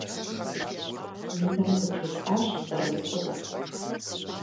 Минрэ ныбжесӏащ зэрымыхъунур!